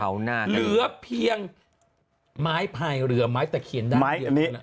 เหลือเพียงไม้พายเรือไม้ตะเคียนได้